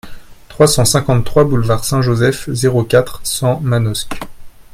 trois cent cinquante-trois boulevard Saint-Joseph, zéro quatre, cent, Manosque